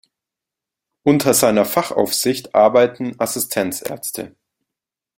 Unter seiner Fachaufsicht arbeiten Assistenzärzte.